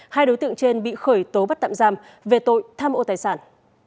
hai đối tượng trên bị khởi tố bắt tạm giam về tội tham ô tài sản